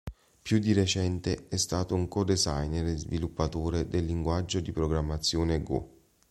Più di recente è stato un co-designer e sviluppatore del linguaggio di programmazione Go.